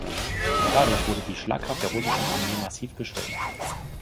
Dadurch wurde die Schlagkraft der russischen Armee massiv geschwächt.